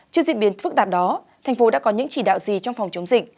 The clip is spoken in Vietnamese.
trước diễn biến phức tạp đó thành phố đã có những chỉ đạo gì trong phòng chống dịch